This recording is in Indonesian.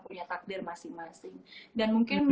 punya takdir masing masing dan mungkin